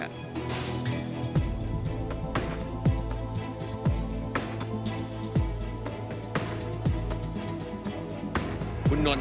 คุณนนท์ครับคุณนนท์